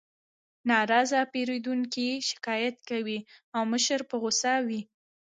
ناراضه پیرودونکي شکایت کوي او مشر په غوسه وي